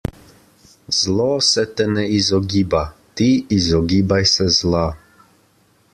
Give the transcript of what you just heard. Zlo se te ne izogiba, ti izogibaj se zla.